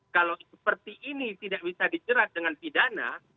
kalau seperti ini tidak bisa dijerat dengan pidana